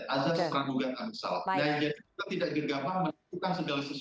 azad's pranggugatan salah